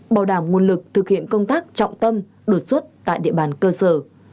bảo đảm nguồn lực thực hiện công tác trọng tâm đột xuất tại địa bàn cơ sở